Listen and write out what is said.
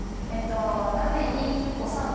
鍋にお砂糖と。